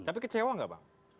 tapi kecewa nggak bang